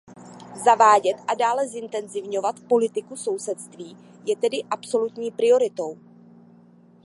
Zavádět a dále zintenzivňovat politiku sousedství je tedy absolutní prioritou.